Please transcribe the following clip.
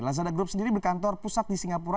lazada group sendiri berkantor pusat di singapura